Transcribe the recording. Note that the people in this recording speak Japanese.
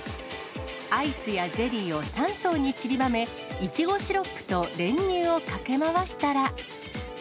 アイスやゼリーを３層に散りばめ、いちごシロップと練乳をかけ回したら。